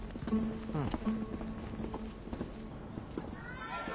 うん。